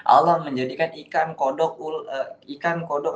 allah menjadikan ikan kodok ikan kodok